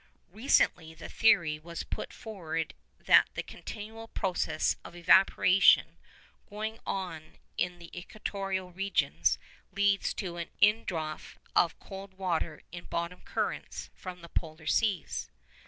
Recently the theory was put forward that the continual process of evaporation going on in the equatorial regions leads to an indraught of cold water in bottom currents from the polar seas.